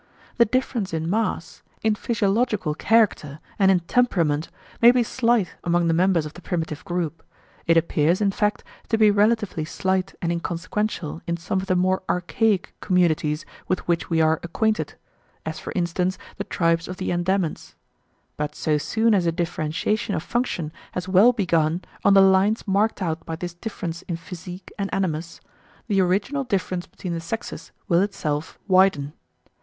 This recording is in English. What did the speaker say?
The difference in mass, in physiological character, and in temperament may be slight among the members of the primitive group; it appears, in fact, to be relatively slight and inconsequential in some of the more archaic communities with which we are acquainted as for instance the tribes of the Andamans. But so soon as a differentiation of function has well begun on the lines marked out by this difference in physique and animus, the original difference between the sexes will itself widen.